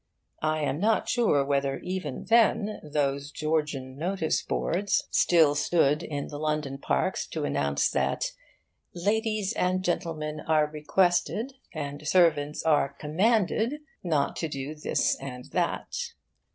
I am not sure whether even then those Georgian notice boards still stood in the London parks to announce that 'Ladies and Gentlemen are requested, and Servants are commanded' not to do this and that.